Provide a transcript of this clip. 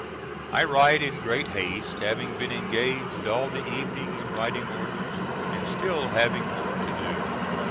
I write in great haste having been engaged all the evening in writing orders, and still having more to do.